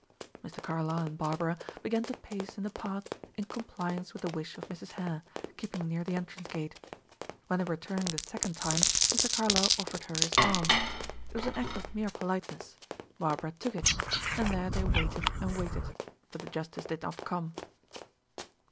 Mr. Carlyle and Barbara began to pace in the path in compliance with the wish of Mrs. Hare, keeping near the entrance gate. When they were turning the second time, Mr. Carlyle offered her his arm; it was an act of mere politeness. Barbara took it; and there they waited and waited; but the justice did not come.